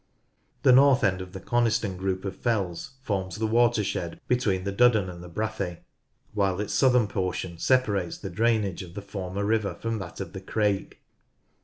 The north end of the Coniston group of fells forms the watershed between the Duddon and the Brathay, while its southern portion separates the drainage of the former river from that of the Crake.